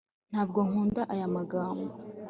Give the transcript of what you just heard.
Ntabwo nkunda aya magambo